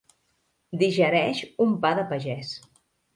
Digereix un pa de pagès.